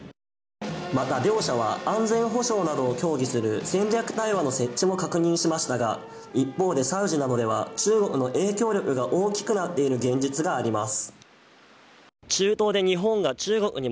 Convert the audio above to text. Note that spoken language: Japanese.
また、両者は安全保障などを協議する戦略対話の設置も確認しましたが、一方でサウジなどでは中国の影響力が大きくなっている現実があります。